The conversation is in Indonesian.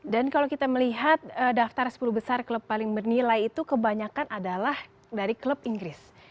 dan kalau kita melihat daftar sepuluh besar klub paling bernilai itu kebanyakan adalah dari klub inggris